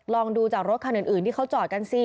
ลองดูจากรถคันอื่นที่เขาจอดกันสิ